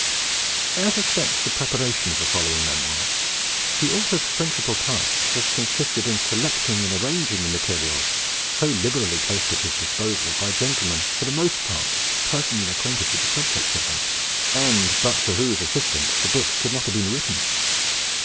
As respects the preparation of the following memoirs, the Author's principal task has consisted in selecting and arranging the materials so liberally placed at his disposal by gentlemen for the most part personally acquainted with the subjects of them, and but for whose assistance the book could not have been written.